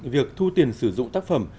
việc thu tiền sử dụng tác phẩm